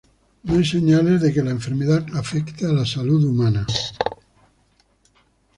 No hay señales de que la enfermedad afecte a la salud humana.